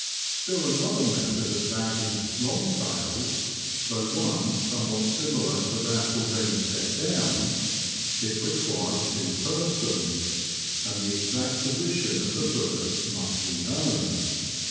Still an other method of bagging '' long tails," though one somewhat similar to that already set down : It requires two persons, and the exact position of the birds must be known.